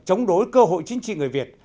chống đối cơ hội chính trị người việt